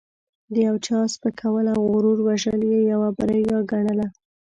د یو چا سپکول او غرور وژل یې یوه بریا ګڼله.